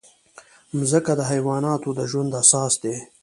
مځکه د حیواناتو د ژوند اساس ده.